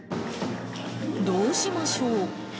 どうしましょう。